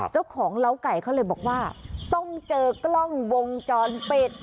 เจ้าของเล้าไก่เขาเลยบอกว่าต้องเจอกล้องวงจรปิด